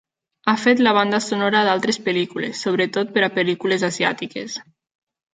Ha fet la banda sonora d'altres pel·lícules, sobretot per a pel·lícules asiàtiques.